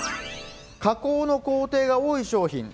加工の工程が多い商品。